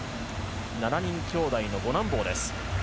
７人きょうだいの五男坊です。